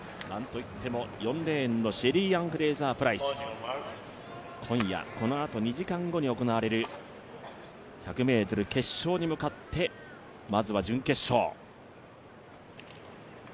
なんといっても４レーンのシェリーアン・フレイザー・プライス、今夜、このあと２時間後に行われる１００ｍ決勝に向かってまずは準決勝。